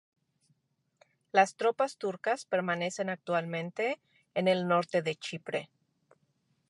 Las tropas turcas permanecen actualmente en el norte de Chipre.